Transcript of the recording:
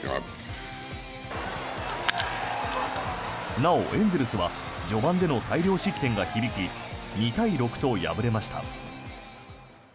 なお、エンゼルスは序盤での大量失点が響き２対６と敗れました。